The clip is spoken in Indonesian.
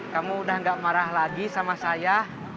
kamu udah gak marah lagi sama saya